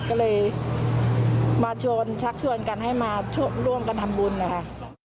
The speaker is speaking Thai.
ก็เลยมาชวนชักชวนกันให้มาร่วมกันทำบุญนะคะ